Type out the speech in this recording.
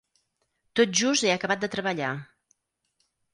Tot just he acabat de treballar.